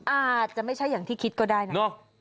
อาจจะไม่ใช่อย่างที่คิดก็ได้นะ